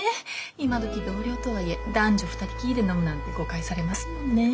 今どき同僚とはいえ男女二人きりで飲むなんて誤解されますもんね。